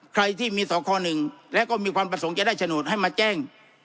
ใครที่มีสค๑และก็มีความประสงค์จะได้โฉนดให้มาแจ้ง